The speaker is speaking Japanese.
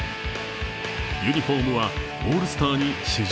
ユニフォームはオールスターに史上